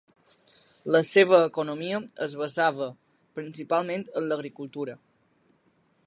La seva economia es basava principalment en l'agricultura.